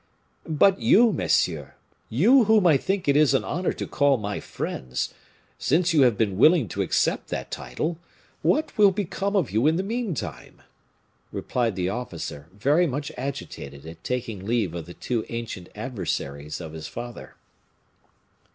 "But you, messieurs, you whom I think it an honor to call my friends, since you have been willing to accept that title, what will become of you in the meantime?" replied the officer, very much agitated at taking leave of the two ancient adversaries of his father.